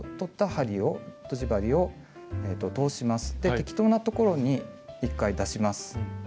適当なところに１回出します。